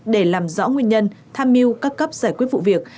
để làm rõ nguyên nhân tham mưu các cấp giải quyết vụ việc